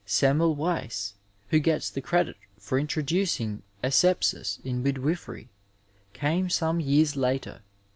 Semmelweiss, who gets the credit for introducing asepsis in midwifery, came some years later.